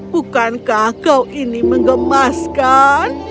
bukankah kau ini mengemaskan